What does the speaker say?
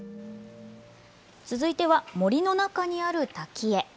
続いては、森の中にある滝へ。